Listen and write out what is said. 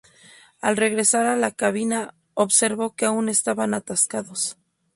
Al regresar a la cabina, observó que aún estaban atascados.